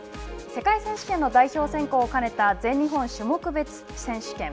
世界選手権の代表選考を兼ねた全日本種目別選手権。